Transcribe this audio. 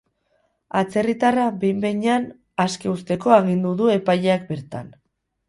Atzerritarra behin-behinean aske uzteko agindu du epaileak bertan.